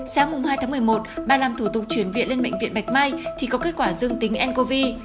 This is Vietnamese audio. sáng hai tháng một mươi một bà làm thủ tục chuyển viện lên bệnh viện bạch mai thì có kết quả dương tính ncov